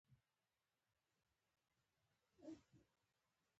وروسته پرې ور پرېووت.